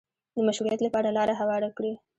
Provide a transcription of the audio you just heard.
د مشروعیت لپاره لاره هواره کړي